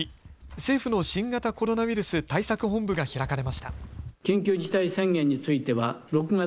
政府の新型コロナウイルス対策本部が開かれました。